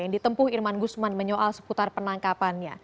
yang ditempuh irman gusman menyoal seputar penangkapannya